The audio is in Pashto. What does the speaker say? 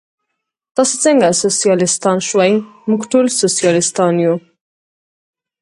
تاسې څنګه سوسیالیستان شوئ؟ موږ ټول سوسیالیستان یو.